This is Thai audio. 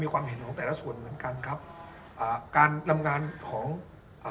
ความเห็นของแต่ละส่วนเหมือนกันครับอ่าการทำงานของอ่า